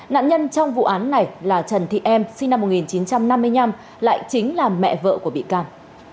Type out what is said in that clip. nạn nhân trong vụ án này là trần thị em sinh năm một nghìn chín trăm năm mươi năm lại chính là mẹ vợ của bị can